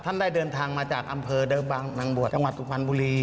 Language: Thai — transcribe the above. ได้เดินทางมาจากอำเภอเดิมบางนางบวชจังหวัดสุพรรณบุรี